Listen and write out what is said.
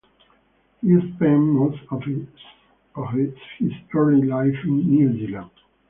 He spent most of his early life in New Zealand.